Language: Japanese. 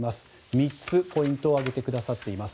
３つ、ポイントを挙げてくださっています。